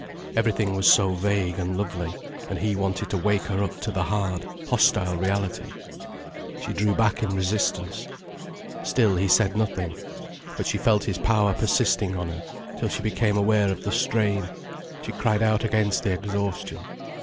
Everything was so vague and lovely, and he wanted to wake her up to the hard, hostile reality. She drew back in resistance. Still he said nothing. But she felt his power persisting on her, till she became aware of the strain, she cried out against the exhaustion.